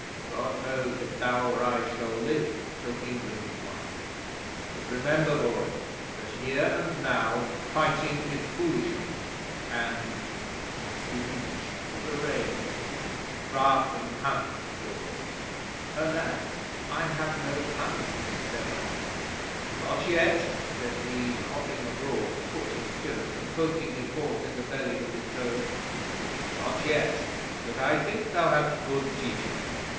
God knows if thou or I shall live till England is won; but remember, boy, that here and now fighting is foolishness and" he reached for the reins "craft and cunning is all." '"Alas, I have no cunning," said I. '"Not yet," said he, hopping abroad, foot in stirrup, and poking his horse in the belly with his toe. "Not yet, but I think thou hast a good teacher.